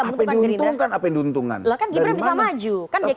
berarti ghibren bisa maju